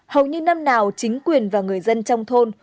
hầu như năm nào chính quyền và người dân trong thôn